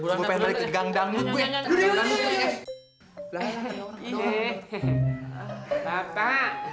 sampai jumpa di video selanjutnya